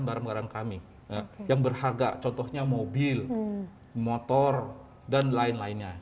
barang barang kami yang berharga contohnya mobil motor dan lain lainnya